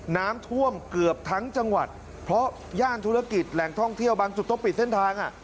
น้ำท่วมเกือบทั้งจังหวัดเพราะย่านธุรกิจแหล่งท่องเที่ยวบางจุดต้องปิดเส้นทาง